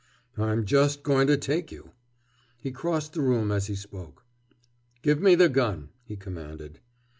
"I'm just going to take you." He crossed the room as he spoke. "Give me the gun," he commanded.